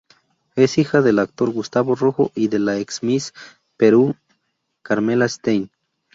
Es hija del actor Gustavo Rojo y de la ex Miss Perú Carmela Stein.